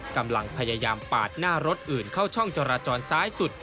กำลังพยายามปาดหน้ารถอื่นเข้าช่องจราจรซ้ายสุด